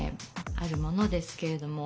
あるものですけれども。